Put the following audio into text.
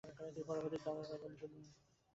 তিনি পরবর্তী দ্গা'-ল্দান-খ্রি-পা নির্বাচিত হন।